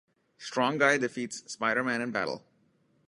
Strong Guy defeats Spider-Man in battle.